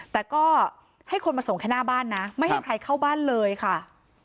แต่ก็ให้คนมาส่งแค่หน้าบ้านนะไม่ให้ใครเข้าบ้านเลยค่ะ